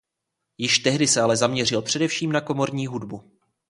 Již tehdy se ale zaměřil především na komorní hudbu.